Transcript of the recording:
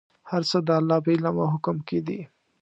هر څه د الله په علم او حکم کې دي.